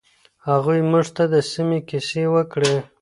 هغوی موږ ته د سیمې کیسې وکړې.